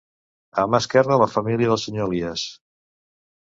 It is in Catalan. A mà esquerra la família del senyor Elies.